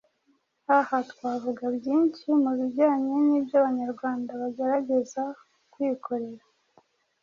Aha twavuga byinshi mu bijyanye n’ibyo Abanyarwanda bageragezaga kwikorera,